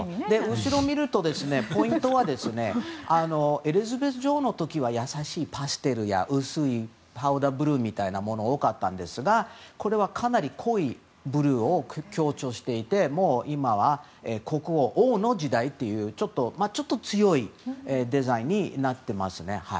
後ろを見るとポイントはエリザベス女王の時は優しいパステルや薄いパウダーブルーみたいなものが多かったんですがこれはかなり濃いブルーを強調していて今は国王、王の時代というちょっと、強いデザインになっていますね。